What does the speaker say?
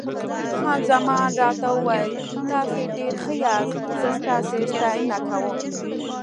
خان زمان راته وویل: تاسي ډېر ښه یاست، زه ستاسي ستاینه کوم.